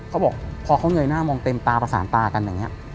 เขาบอกพอเขาเงยหน้ามองเต็มตาประสานตากันอย่างนี้